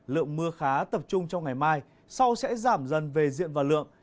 lượng mưa khá tập trung trong ngày mai sau sẽ giảm dần về diện và lượng